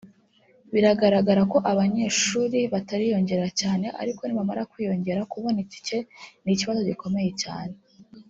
biragaragara ko abanyeshuri batariyongera cyane ariko nibamara kwiyongera kubona itiki ni ikibazo gikomeye cyane”